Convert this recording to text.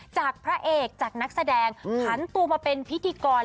จากพระเอกจากนักแสดงผันตัวมาเป็นพิธีกร